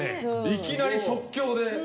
いきなり即興で。